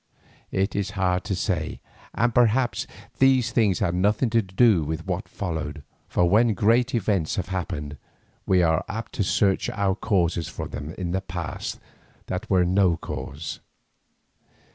It is hard to say, and perhaps these things had nothing to do with what followed, for when great events have happened, we are apt to search out causes for them in the past that were no cause.